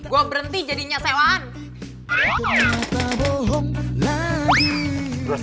gue berhenti jadinya sewaan